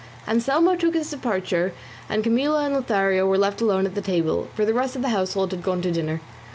Anselmo took his departure, and Camilla and Lothario were left alone at the table, for the rest of the household had gone to dinner.